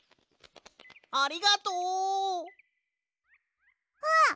ありがとう！あっ！